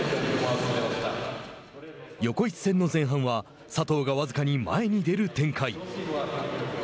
横一線の前半は佐藤が僅かに前に出る展開。